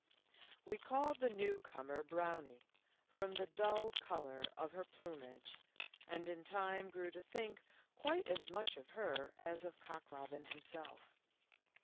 We called the new comer Brownie, from the dull color of her plumage, and in time grew to think quite as much of her as of Cock robin himself.